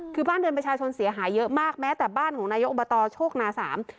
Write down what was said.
คือบ้านเรือนประชาชนเสียหายเยอะมากแม้แต่บ้านของนายกอบตโชคนาสาม